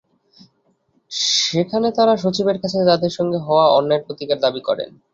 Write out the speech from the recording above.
সেখানে তাঁরা সচিবের কাছে তাঁদের সঙ্গে হওয়া অন্যায়ের প্রতিকার দাবি করেন।